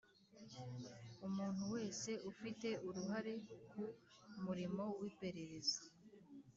Umuntu wese ufite uruhare ku murimo w iperereza